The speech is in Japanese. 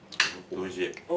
おいしい！